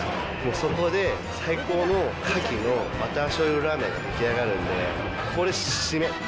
そこで、最高のカキのバターしょうゆラーメンが出来上がるんで、これ、締め。